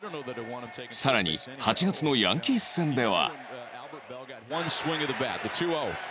さらに８月のヤンキース戦では